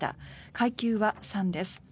階級は３です。